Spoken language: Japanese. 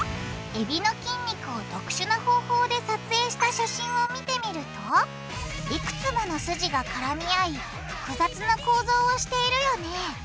えびの筋肉を特殊な方法で撮影した写真を見てみるといくつもの筋が絡み合い複雑な構造をしているよね。